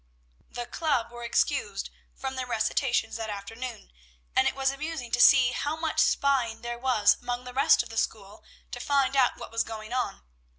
The club were excused from their recitations that afternoon, and it was amusing to see how much spying there was among the rest of the school to find out what was going on.